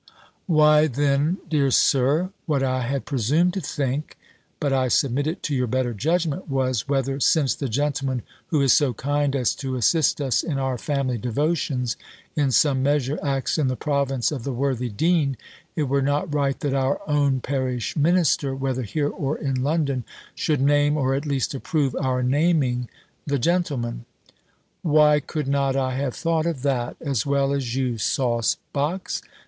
"Why, then, dear Sir, what I had presumed to think, but I submit it to your better judgment, was, whether, since the gentleman who is so kind as to assist us in our family devotions, in some measure acts in the province of the worthy dean, it were not right, that our own parish minister, whether here or in London, should name, or at least approve our naming, the gentleman?" "Why could not I have thought of that, as well as you, sauce box?